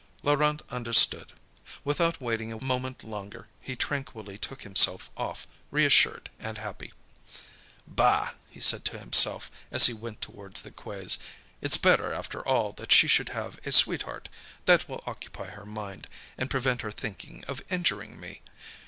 Laurent understood. Without waiting a moment longer, he tranquilly took himself off reassured and happy. "Bah!" said he to himself, as he went towards the quays. "It's better, after all, that she should have a sweetheart. That will occupy her mind, and prevent her thinking of injuring me.